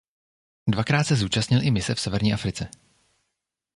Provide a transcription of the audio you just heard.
Dvakrát se zúčastnil i mise v Severní Africe.